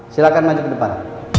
silahkan maju ke depan